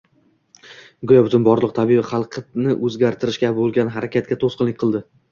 — go‘yo butun borliq tabiiy hilqatni o‘zgartirishga bo‘lgan harakatga to‘sqinlik qildi